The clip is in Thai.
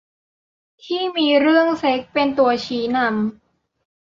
ที่มีเรื่องเซ็กส์เป็นตัวชี้นำ